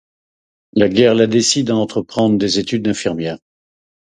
La guerre la décide à entreprendre des études d'infirmière.